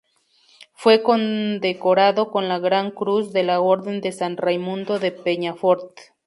Fue condecorado con la gran cruz de la Orden de San Raimundo de Peñafort.